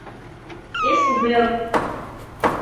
اصبر.